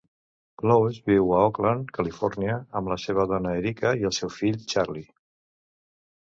Clowes viu a Oakland, Califòrnia, amb la seva dona Erika i el seu fill Charlie.